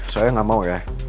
saya gak mau ya